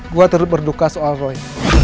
gue turut berduka soal roy